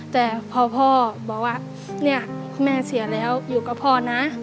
แต่พอพ่อบอกว่าเนี่ยแม่เสียแล้วอยู่กับพ่อนะ